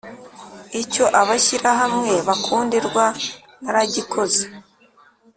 icyo abashyirahamwe bakundirwa naragikoze